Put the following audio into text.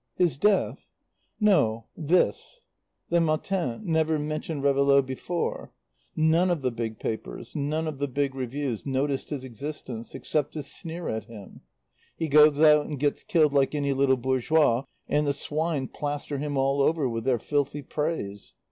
"His death?" "No this. The Matin never mentioned Réveillaud before. None of the big papers, none of the big reviews noticed his existence except to sneer at him. He goes out and gets killed like any little bourgeois, and the swine plaster him all over with their filthy praise.